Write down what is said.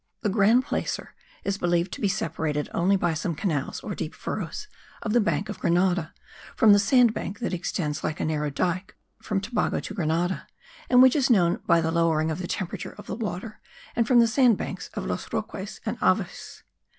The Gran Placer is believed to be separated only by some canals or deep furrows of the bank of Grenada from the sand bank that extends like a narrow dyke from Tobago to Grenada, and which is known by the lowering of the temperature of the water and from the sand banks of Los Roques and Aves.